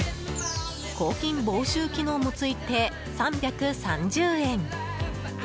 抗菌防臭機能もついて３３０円。